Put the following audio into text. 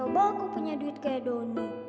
coba aku punya duit kayak donny